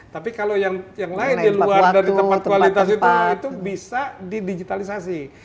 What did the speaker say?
tapi kalau yang lain di luar dari tempat kualitas itu bisa didigitalisasi